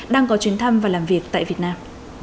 đang có chuyến thăm và làm việc tại việt nam